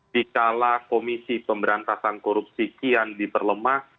di kala komisi pemberantasan korupsi kian di perlemah